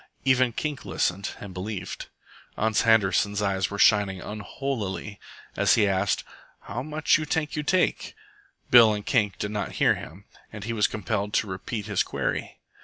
Even Kink listened and believed. Ans Handerson's eyes were shining unholily as he asked, "How much you tank you take?" Bill and Kink did not hear him, and he was compelled to repeat his query.